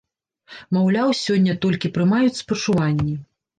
Маўляў, сёння толькі прымаюць спачуванні.